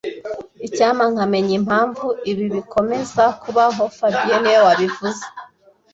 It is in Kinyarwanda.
Icyampa nkamenya impamvu ibi bikomeza kubaho fabien niwe wabivuze